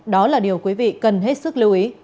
đó là điều quý vị cần hết sức